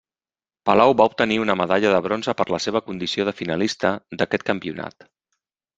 Palau va obtenir una medalla de bronze per la seva condició de finalista d'aquest campionat.